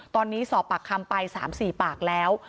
ตอนนี้สอบปากคำไป๓๔ปากแล้ว